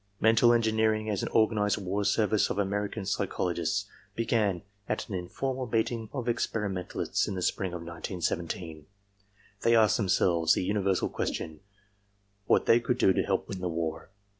"Mental engineering as an organized war service of American psychologists began at an informal meeting of experimentaUsts in the spring of 1917. They asked themselves the universal question, what they could do to help win the war.